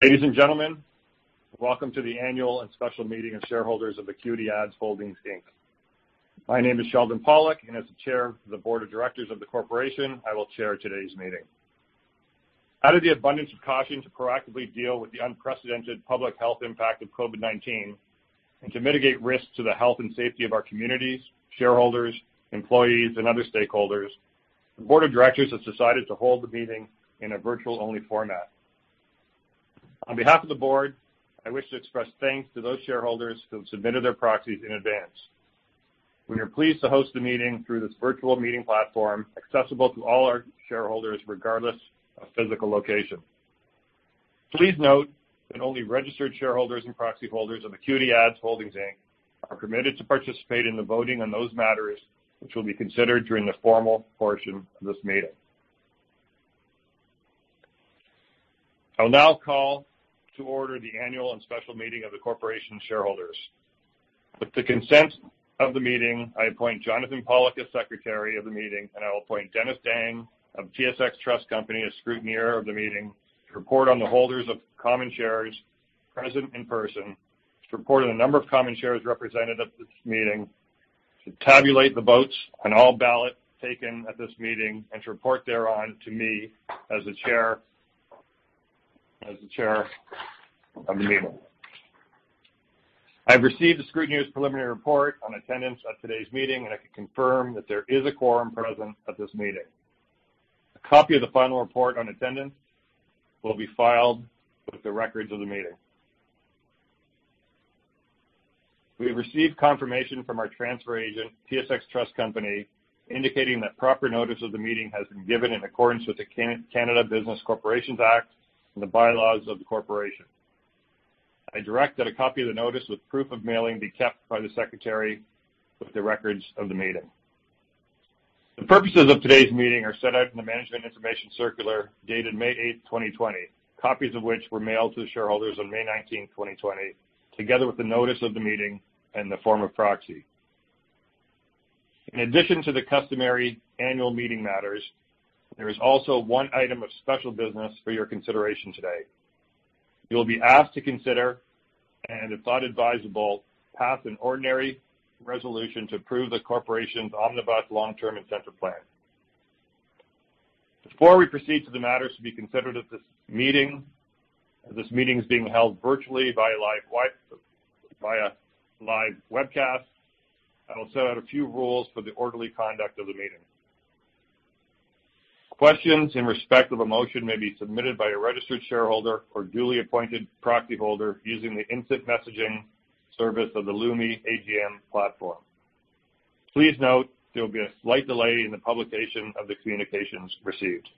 Ladies and gentlemen, welcome to the Annual and Special Meeting of Shareholders of AcuityAds Holdings Inc. My name is Sheldon Pollack, and as the Chair of the Board of Directors of the Corporation, I will Chair today's meeting. Out of the abundance of caution to proactively deal with the unprecedented public health impact of COVID-19, and to mitigate risks to the health and safety of our communities, shareholders, employees, and other stakeholders, the Board of Directors has decided to hold the meeting in a virtual-only format. On behalf of the Board, I wish to express thanks to those shareholders who have submitted their proxies in advance. We are pleased to host the meeting through this virtual meeting platform, accessible to all our shareholders, regardless of physical location. Please note that only registered shareholders and proxy holders of AcuityAds Holdings Inc. are permitted to participate in the voting on those matters, which will be considered during the formal portion of this meeting. I'll now call to order the annual and special meeting of the corporation's shareholders. With the consent of the meeting, I appoint Jonathan Pollack as Secretary of the meeting, and I will appoint Dennis Dang of TSX Trust Company as Scrutineer of the meeting, to report on the holders of common shares present in person, to report on the number of common shares represented at this meeting, to tabulate the votes on all ballots taken at this meeting, and to report thereon to me as the Chair, as the Chair of the meeting. I have received the scrutineer's preliminary report on attendance at today's meeting, and I can confirm that there is a quorum present at this meeting. A copy of the final report on attendance will be filed with the records of the meeting. We have received confirmation from our transfer agent, TSX Trust Company, indicating that proper notice of the meeting has been given in accordance with the Canada Business Corporations Act and the bylaws of the corporation. I direct that a copy of the notice with proof of mailing be kept by the secretary with the records of the meeting. The purposes of today's meeting are set out in the Management Information Circular, dated May 8th, 2020, copies of which were mailed to the shareholders on May nineteenth, twenty twenty, together with the notice of the meeting and the form of proxy. In addition to the customary annual meeting matters, there is also one item of special business for your consideration today. You will be asked to consider, and if thought advisable, pass an ordinary resolution to approve the corporation's Omnibus Long-Term Incentive Plan. Before we proceed to the matters to be considered at this meeting, this meeting is being held virtually via live webcast. I will set out a few rules for the orderly conduct of the meeting. Questions in respect of a motion may be submitted by a registered shareholder or duly appointed proxy holder using the instant messaging service of the Lumi AGM platform. Please note, there will be a slight delay in the publication of the communications received.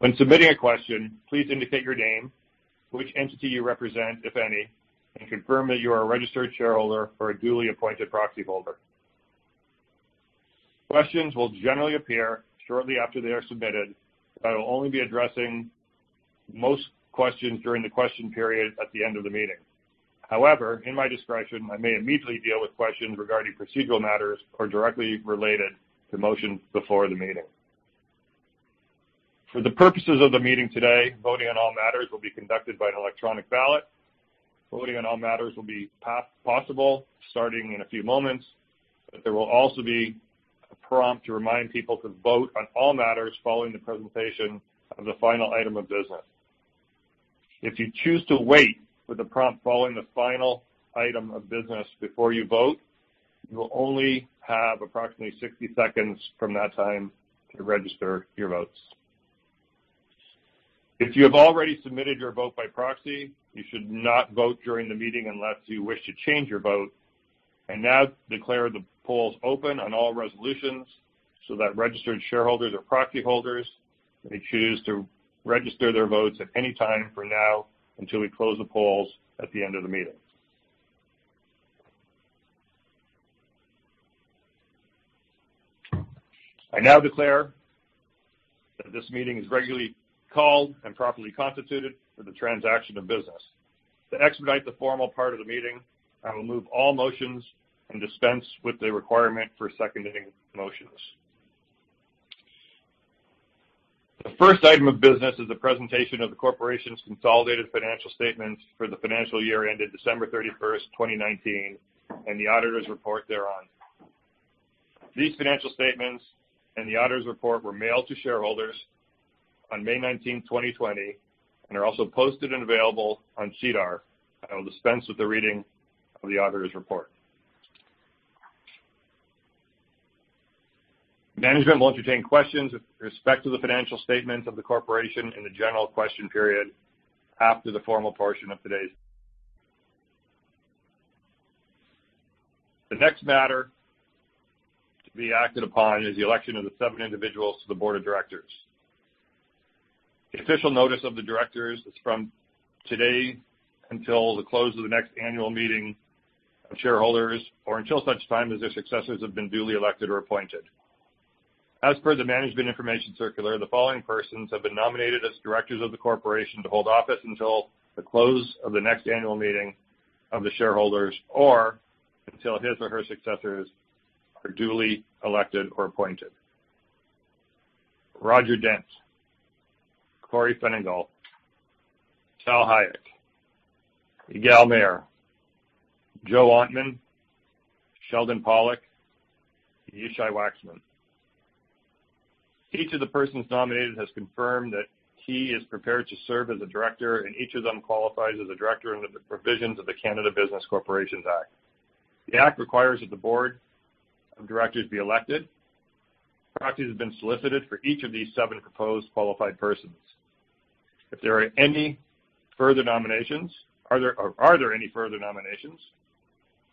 When submitting a question, please indicate your name, which entity you represent, if any, and confirm that you are a registered shareholder or a duly appointed proxy holder. Questions will generally appear shortly after they are submitted, but I will only be addressing most questions during the question period at the end of the meeting. However, in my discretion, I may immediately deal with questions regarding procedural matters or directly related to motions before the meeting. For the purposes of the meeting today, voting on all matters will be conducted by an electronic ballot. Voting on all matters will be possible, starting in a few moments, but there will also be a prompt to remind people to vote on all matters following the presentation of the final item of business. If you choose to wait for the prompt following the final item of business before you vote, you will only have approximately sixty seconds from that time to register your votes. If you have already submitted your vote by proxy, you should not vote during the meeting unless you wish to change your vote. I now declare the polls open on all resolutions so that registered shareholders or proxy holders may choose to register their votes at any time from now until we close the polls at the end of the meeting. I now declare that this meeting is regularly called and properly constituted for the transaction of business. To expedite the formal part of the meeting, I will move all motions and dispense with the requirement for seconding motions. The first item of business is a presentation of the corporation's consolidated financial statements for the financial year ended December 31st, 2019 and the auditor's report thereon. These financial statements and the auditor's report were mailed to shareholders on May 19, 2020, and are also posted and available on SEDAR. I will dispense with the reading of the auditor's report. Management will entertain questions with respect to the financial statements of the corporation in the general question period after the formal portion of today's. The next matter to be acted upon is the election of the seven individuals to the Board of Directors. The official notice of the Directors is from today until the close of the next annual meeting of shareholders, or until such time as their successors have been duly elected or appointed. As per the Management Information Circular, the following persons have been nominated as directors of the corporation to hold office until the close of the next annual meeting of the shareholders or until his or her successors are duly elected or appointed. Roger Dent, Corey Ferengul, Tal Hayek, Yigal Maor, Joe Ontman, Sheldon Pollack, and Yishai Waxman. Each of the persons nominated has confirmed that he is prepared to serve as a director, and each of them qualifies as a Director under the provisions of the Canada Business Corporations Act. The act requires that the Board of Directors be elected. Proxies have been solicited for each of these seven proposed qualified persons. If there are any further nominations, are there, or are there any further nominations?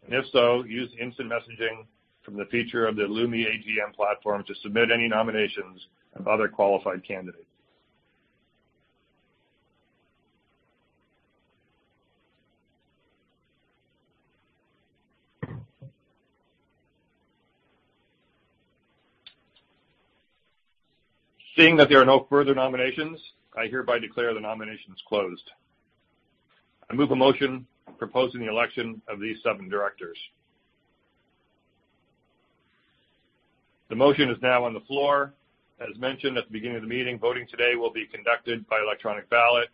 And if so, use instant messaging from the feature of the Lumi AGM platform to submit any nominations of other qualified candidates. Seeing that there are no further nominations, I hereby declare the nominations closed. I move a motion proposing the election of these seven Directors. The motion is now on the floor. As mentioned at the beginning of the meeting, voting today will be conducted by electronic ballot.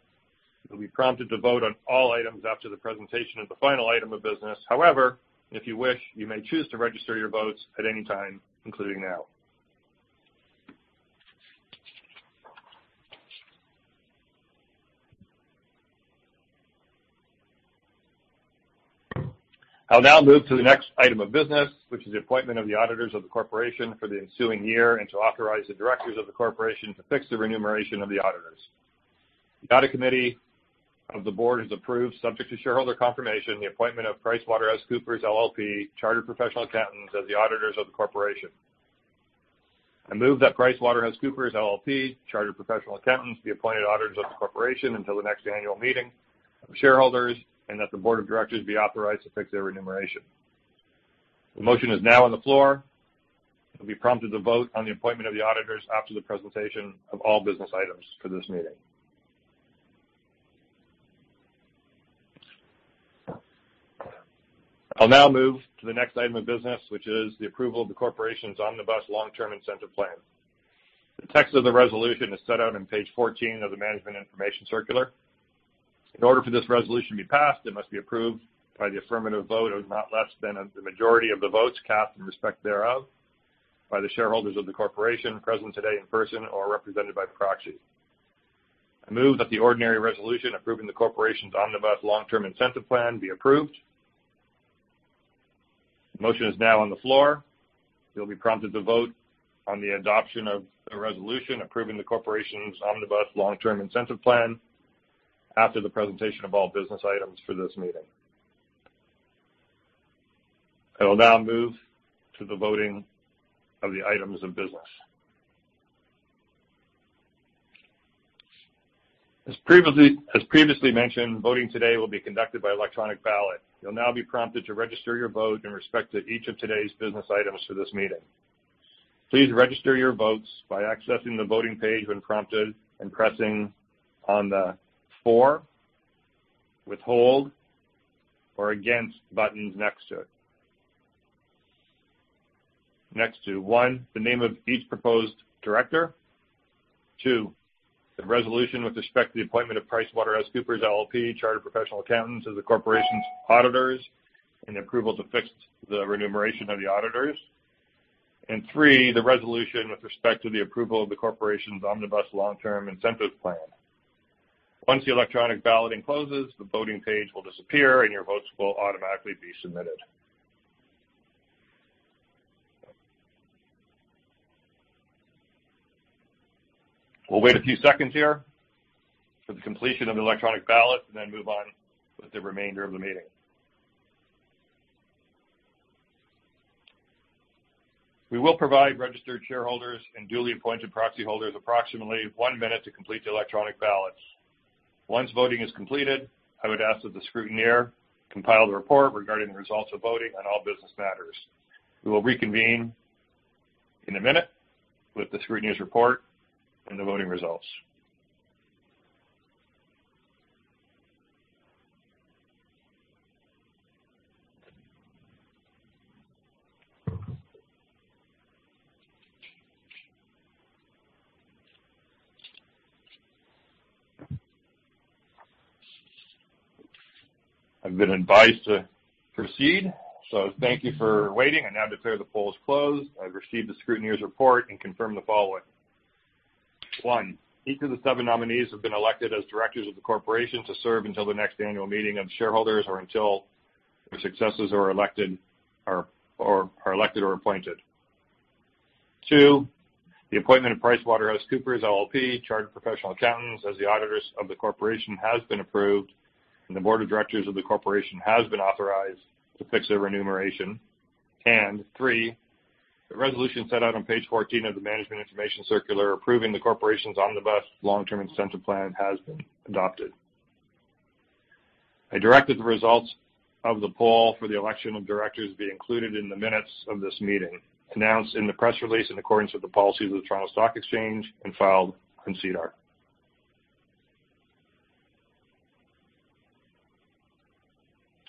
You'll be prompted to vote on all items after the presentation of the final item of business. However, if you wish, you may choose to register your votes at any time, including now. I'll now move to the next item of business, which is the appointment of the auditors of the corporation for the ensuing year, and to authorize the Directors of the corporation to fix the remuneration of the auditors. The audit committee of the Board has approved, subject to shareholder confirmation, the appointment of PricewaterhouseCoopers LLP, Chartered Professional Accountants, as the auditors of the corporation. I move that PricewaterhouseCoopers LLP, Chartered Professional Accountants, be appointed auditors of the corporation until the next annual meeting of shareholders, and that the board of directors be authorized to fix their remuneration. The motion is now on the floor. You'll be prompted to vote on the appointment of the auditors after the presentation of all business items for this meeting. I'll now move to the next item of business, which is the approval of the corporation's Omnibus Long-Term Incentive Plan. The text of the resolution is set out on page fourteen of the Management Information Circular. In order for this resolution to be passed, it must be approved by the affirmative vote of not less than the majority of the votes cast in respect thereof by the shareholders of the corporation present today in person or represented by proxy. I move that the ordinary resolution approving the corporation's Omnibus Long-Term Incentive Plan be approved. The motion is now on the floor. You'll be prompted to vote on the adoption of the resolution approving the corporation's Omnibus Long-Term Incentive Plan after the presentation of all business items for this meeting. I will now move to the voting of the items of business. As previously mentioned, voting today will be conducted by electronic ballot. You'll now be prompted to register your vote in respect to each of today's business items for this meeting. Please register your votes by accessing the voting page when prompted and pressing on the for, withhold, or against buttons next to it: one, the name of each proposed director, two, the resolution with respect to the appointment of PricewaterhouseCoopers LLP, Chartered Professional Accountants, as the corporation's auditors, and approval to fix the remuneration of the auditors, and three, the resolution with respect to the approval of the corporation's Omnibus Long-Term Incentive Plan. Once the electronic balloting closes, the voting page will disappear, and your votes will automatically be submitted. We'll wait a few seconds here for the completion of the electronic ballot and then move on with the remainder of the meeting. We will provide registered shareholders and duly appointed proxy holders approximately one minute to complete the electronic ballots. Once voting is completed, I would ask that the scrutineer compile the report regarding the results of voting on all business matters. We will reconvene in a minute with the scrutineer's report and the voting results. I've been advised to proceed, so thank you for waiting. I now declare the poll is closed. I've received the scrutineer's report and confirm the following. One, each of the seven nominees have been elected as directors of the corporation to serve until the next annual meeting of shareholders or until their successors are elected or appointed. Two, the appointment of PricewaterhouseCoopers LLP, Chartered Professional Accountants, as the auditors of the corporation, has been approved, and the Board of Directors of the corporation has been authorized to fix their remuneration. And three, the resolution set out on page fourteen of the Management Information Circular approving the corporation's Omnibus Long-Term Incentive Plan has been adopted. I direct that the results of the poll for the election of directors be included in the minutes of this meeting, announced in the press release in accordance with the policies of the Toronto Stock Exchange, and filed on SEDAR.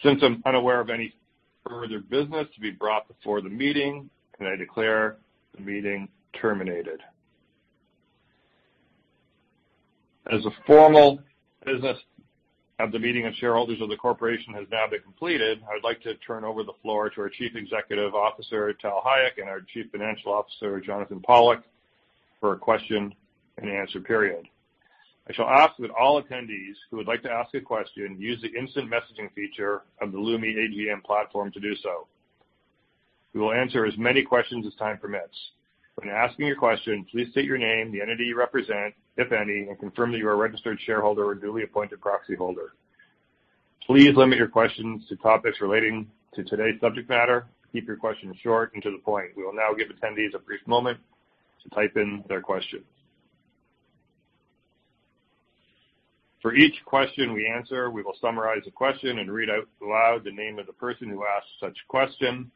Since I'm unaware of any further business to be brought before the meeting, can I declare the meeting terminated. As the formal business of the meeting of shareholders of the corporation has now been completed, I would like to turn over the floor to our Chief Executive Officer, Tal Hayek, and our Chief Financial Officer, Jonathan Pollack, for a question-and-answer period. I shall ask that all attendees who would like to ask a question use the instant messaging feature of the Lumi AGM platform to do so. We will answer as many questions as time permits. When asking your question, please state your name, the entity you represent, if any, and confirm that you are a registered shareholder or duly appointed proxy holder. Please limit your questions to topics relating to today's subject matter. Keep your questions short and to the point. We will now give attendees a brief moment to type in their questions. For each question we answer, we will summarize the question and read out loud the name of the person who asked such question,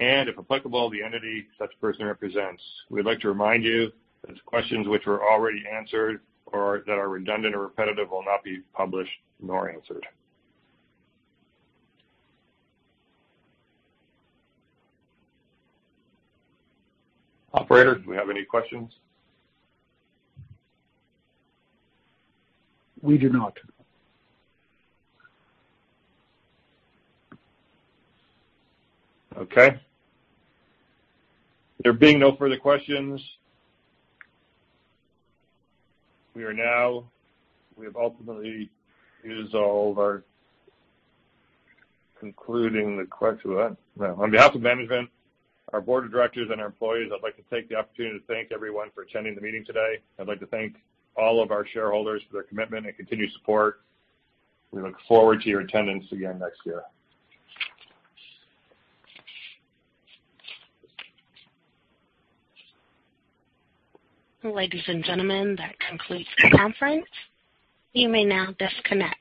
and, if applicable, the entity such person represents. We'd like to remind you that questions which were already answered or that are redundant or repetitive will not be published nor answered. Operator, do we have any questions? We do not. Okay. There being no further questions, we have ultimately resolved our concluding the question. On behalf of management, our board of directors, and our employees, I'd like to take the opportunity to thank everyone for attending the meeting today. I'd like to thank all of our shareholders for their commitment and continued support. We look forward to your attendance again next year. Ladies and gentlemen, that concludes the conference. You may now disconnect.